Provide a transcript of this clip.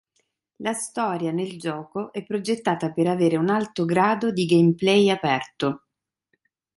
La storia nel gioco è progettata per avere un alto grado di gameplay aperto.